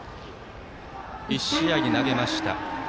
１試合に投げました。